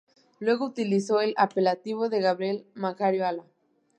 Luego utilizó el apelativo de Gabriel Macario Alá.